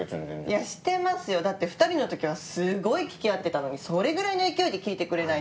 だって２人の時はすごい聞き合ってたのにそれぐらいの勢いで聞いてくれないと。